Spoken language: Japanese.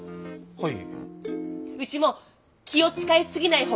はい。